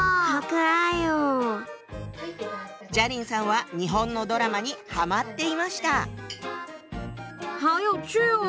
佳伶さんは日本のドラマにハマっていました。